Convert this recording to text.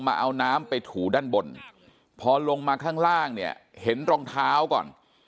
มาเอาน้ำไปถูด้านบนพอลงมาข้างล่างเนี่ยเห็นรองเท้าก่อน